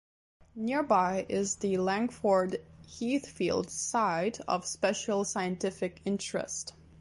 Nearby is the Langford Heathfield Site of Special Scientific Interest.